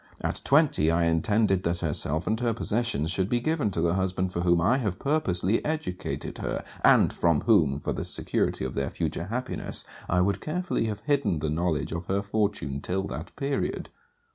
At twenty, I intended that herself and her possessions should be given to the husband for whom I have purposely educated her; and from whom, for the security of their future happiness, I would carefully have hidden the knowledge of her fortune till that period.